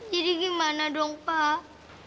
jadi gimana dong pak